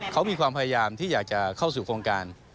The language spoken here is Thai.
เขามีความพยายามที่อยากจะเข้าสู่โครงการ